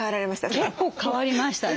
結構変わりましたね。